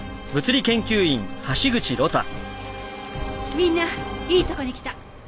みんないいとこに来た。